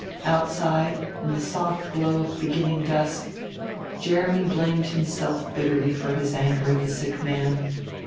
Outside, in the soft glow of beginning dusk, Jeremy blamed himself bitterly for his anger at the sick man.